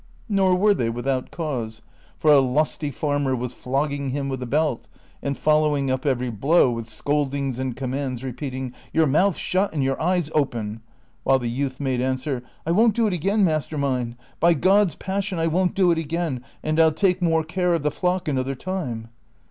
Nor were they without cause, for a lusty farmer was flogging him with a belt and following up every blow with scoldings and commands, repeating, '' Your mouth shut and your eyes open !" while the youth made answer, " I won't do it again, master mine ; by God's passion I won't do it again, and I '11 take more care of the flock another time."